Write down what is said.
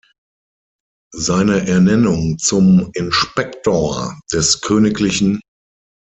Seine Ernennung zum Inspektor des Kgl.